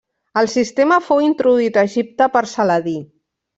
El sistema fou introduït a Egipte per Saladí.